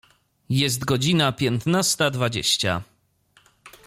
Jest godzina piętnasta dwadzieścia.